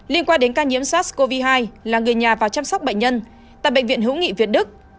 liên quan đến ca nhiễm sars cov hai là người nhà và chăm sóc bệnh nhân tại bệnh viện hữu nghị việt đức